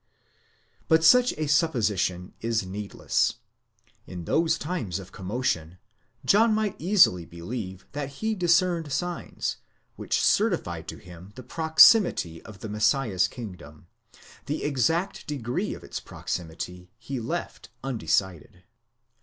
But such a supposition is needless. In those times of commotion, John might easily believe that he discerned signs, which certified to him the proximity of the Messiah's kingdom; the exact degree of its proximity he left undecided.